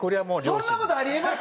そんな事あり得ます？